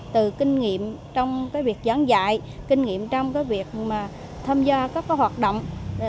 từ kinh nghiệm trong việc giảng dạy kinh nghiệm trong việc tham gia các hoạt động